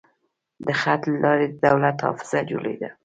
د خط له لارې د دولت حافظه جوړېده.